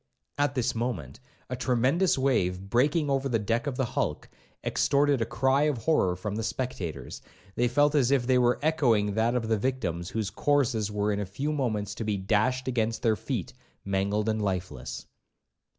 At this moment, a tremendous wave breaking over the deck of the hulk, extorted a cry of horror from the spectators; they felt as if they were echoing that of the victims whose corses were in a few moments to be dashed against their feet, mangled and lifeless.